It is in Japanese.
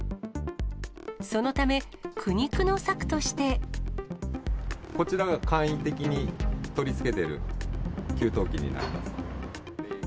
そのため、こちらが簡易的に取り付けている給湯器になります。